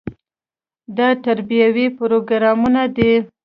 دا تربیوي پروګرامونه دي.